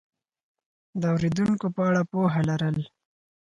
د اورېدونکو په اړه پوهه لرل